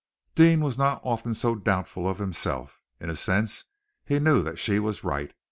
Deane was not often so doubtful of himself. In a sense he knew that she was right.